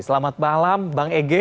selamat malam bang ege